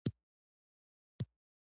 د سړک جوړونې په برخه کې هم پرمختګ وشو.